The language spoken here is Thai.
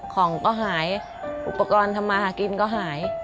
ของก็หายอุปกรณ์ทำมาหากินก็หาย